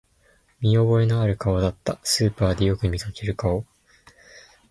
見覚えのある顔だった、スーパーでよく見かける顔